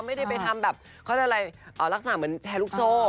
ไม่ได้ไปทำแบบเขาจะอะไรอ่าลักษณะเหมือนแถลุกโซก